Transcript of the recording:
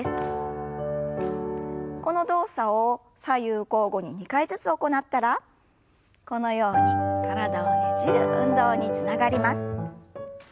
この動作を左右交互に２回ずつ行ったらこのように体をねじる運動につながります。